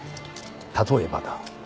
例えばだ。